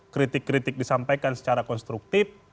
kritik kritik disampaikan secara konstruktif